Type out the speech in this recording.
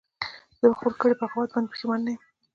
زه په خپل کړي بغاوت باندې پښیمانه نه یم